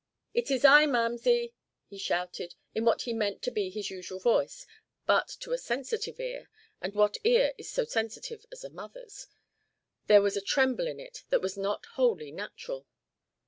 "It is I, mamsie!" he shouted, in what he meant to be his usual voice; but to a sensitive ear and what ear is so sensitive as a mother's? there was a tremble in it that was not wholly natural.